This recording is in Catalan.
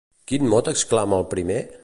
Quin mot exclama el primer?